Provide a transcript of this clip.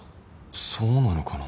そうなのかな？